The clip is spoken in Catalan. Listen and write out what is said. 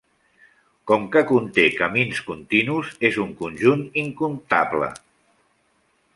Com que conté camins continus, és un conjunt incomptable.